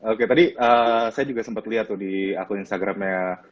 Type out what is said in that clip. oke tadi saya juga sempat lihat tuh di akun instagramnya